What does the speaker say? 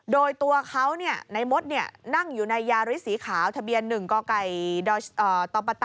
โดยตัวเขาในมดนั่งอยู่ในยาริสสีขาวทะเบียน๑กตปต